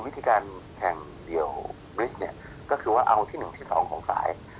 วิธีการแข่งเดียวเนี่ยก็คือว่าเอาที่หนึ่งที่สองของสาย